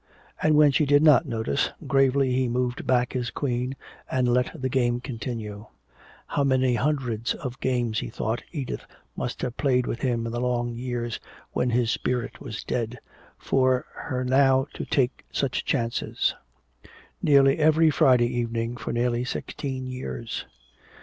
And when she did not notice, gravely he moved back his queen and let the game continue. How many hundreds of games, he thought, Edith must have played with him in the long years when his spirit was dead, for her now to take such chances. Nearly every Friday evening for nearly sixteen years.